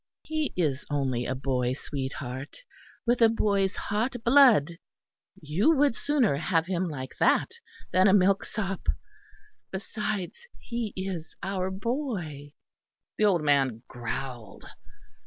"He is only a boy, sweetheart; with a boy's hot blood you would sooner have him like that than a milk sop. Besides he is our boy." The old man growled.